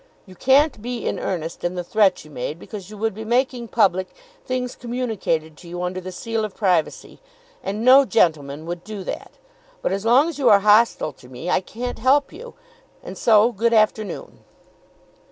You can't be in earnest in the threat you made, because you would be making public things communicated to you under the seal of privacy, and no gentleman would do that. But as long as you are hostile to me, I can't help you; and so good afternoon."